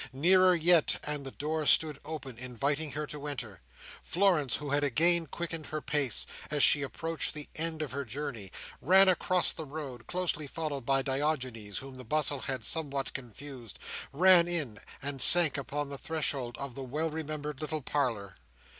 Nearer yet, and the door stood open, inviting her to enter. Florence, who had again quickened her pace, as she approached the end of her journey, ran across the road (closely followed by Diogenes, whom the bustle had somewhat confused), ran in, and sank upon the threshold of the well remembered little parlour.